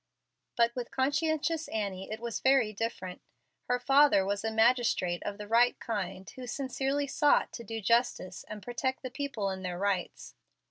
But with conscientious Annie it was very different. Her father was a magistrate of the right kind, who sincerely sought to do justice and protect the people in their rights.